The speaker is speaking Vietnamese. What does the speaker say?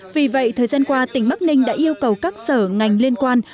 vì vậy thời gian qua tỉnh bắc ninh đã yêu cầu các sở ngành liên quan